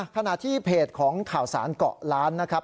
ขณะที่เพจของข่าวสารเกาะล้านนะครับ